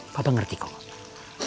kau tuh ngerti kok